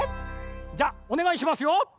じゃおねがいしますよ。